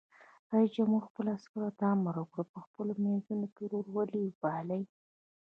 رئیس جمهور خپلو عسکرو ته امر وکړ؛ په خپلو منځو کې ورورولي پالئ!